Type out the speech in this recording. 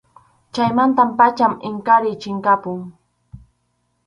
Chaymanta pacham Inkariy chinkapun.